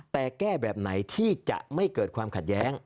แต่แก้แบบไหนที่จะไม่เกิดความขัดแย้ง